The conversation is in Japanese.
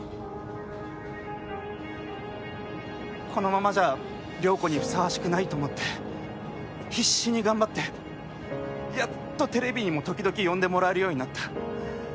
このままじゃ亮子にふさわしくないと思って必死に頑張ってやっとテレビにも時々呼んでもらえるようになった。